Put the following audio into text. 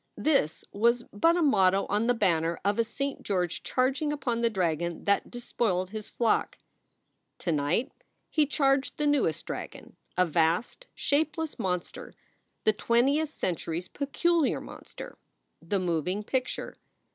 This was but a motto on the banner of a Saint George charging upon the dragon that despoiled his flock. To night he charged the newest dragon, a vast, shape less monster, the twentieth century s peculiar monster the moving picture.